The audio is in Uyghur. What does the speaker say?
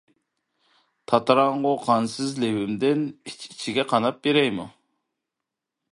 تاتىراڭغۇ، قانسىز لېۋىمدىن، ئىچ-ئىچىمگە قاناپ بېرەيمۇ؟ !